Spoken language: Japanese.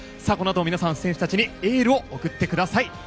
このあとは皆さん選手たちにエールを送ってください。